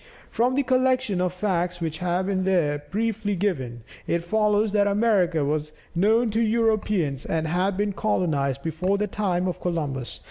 From the collection of facts which have been here briefly given, it follows that America was known to Europeans and had been colonized before the time of Columbus.